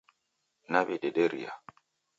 Nawidederia